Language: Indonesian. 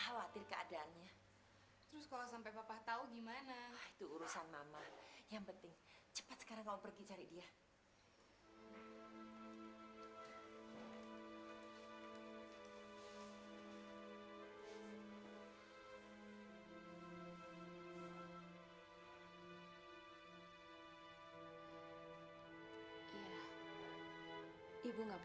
awasi dia jangan sembarangan bergaul